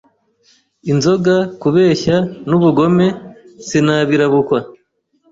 inzoga, kubeshya n’ ubugome sinabirabukwa …